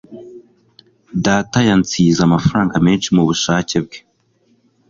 data yansize amafaranga menshi mubushake bwe